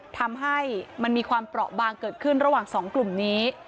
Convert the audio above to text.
ทำให้มันมีความเปราะบางเกิดขึ้นระหว่างสองกลุ่มนี้